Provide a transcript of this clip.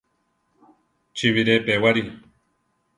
Chi bire pewari.